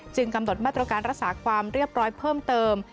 กำหนดมาตรการรักษาความเรียบร้อยเพิ่มเติม